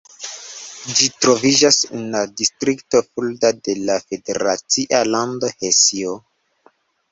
Ĝi troviĝas en la distrikto Fulda de la federacia lando Hesio.